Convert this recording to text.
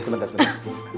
eh sebentar sebentar